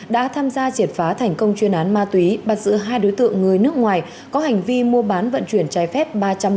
đã tham gia triệt phá thành công chuyên án ma túy bắt giữ hai đối tượng người nước ngoài có hành vi mua bán vận chuyển trái phép